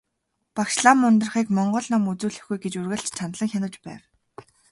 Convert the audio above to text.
Багш лам Ундрахыг монгол ном үзүүлэхгүй гэж үргэлж чандлан хянаж байв.